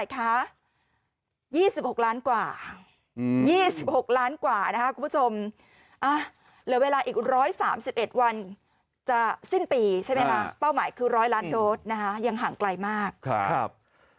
ก็ห่างไกลมากครับ